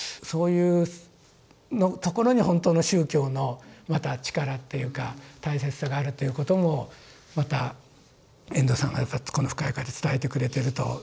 そういうところに本当の宗教のまた力っていうか大切さがあるということもまた遠藤さんがこの「深い河」で伝えてくれてると。